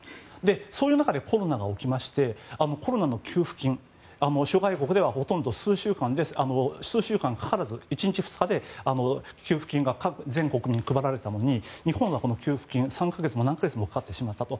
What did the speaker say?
そういう中でコロナが起きてコロナの給付金諸外国ではほとんど数週間かからず１日、２日であの給付金が全国に配られたのに日本は給付金、３か月も何か月もかかってしまったと。